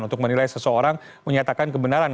untuk menilai seseorang menyatakan kebenaran